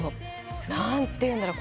何ていうんだろう。